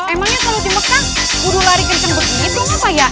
emangnya kalau di mekah kudu lari kecil begitu ngapain ya